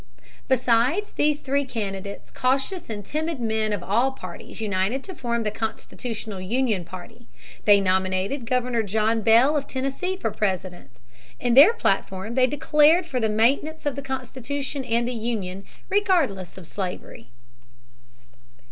Besides these three candidates, cautious and timid men of all parties united to form the Constitutional Union party. They nominated Governor John Bell of Tennessee for President. In their platform they declared for the maintenance of the Constitution and the Union, regardless of slavery.